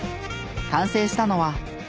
完成したのは。